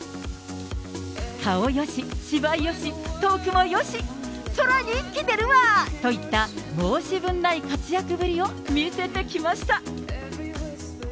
顔よし、芝居よし、トークもよし、そら人気出るわーといった、申し分ない活躍を見せてきました。